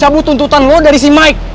cabut tuntutan gue dari si mike